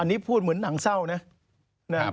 อันนี้พูดเหมือนหนังเศร้านะ